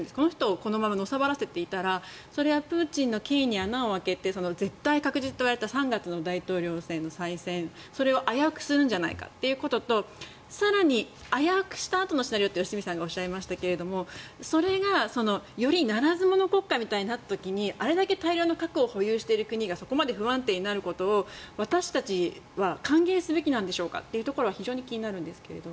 このままのさばらせていたらプーチンの権威に穴を開けて絶対確実といわれていた３月の大統領選に再選それを危うくするんじゃないかってことと更に危うくしたあとのシナリオは良純さんがおっしゃいましたがよりならず者国家みたいになった時にあれだけ大量の核を保有している国が不安定になることを私たちは歓迎すべきなんでしょうかってところは非常に気になるんですが。